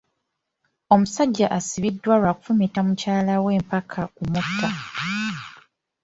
Omusajja asibiddwa lwa kufumita mukyala we paka kumutta.